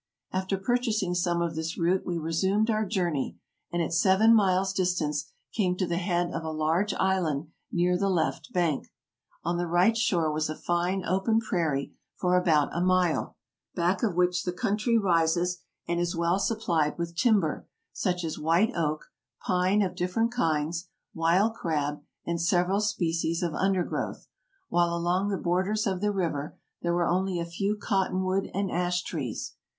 After purchasing some of this root we resumed our journey, and at seven miles' distance came to the head of a large island near the left bank. On the right shore was a fine open prairie for about a mile, back of which the country rises, and is well supplied with timber, such as white oak, pine of different kinds, wild crab, and several species of undergrowth, while along the borders of the river there were only a few cotton wood and ash trees.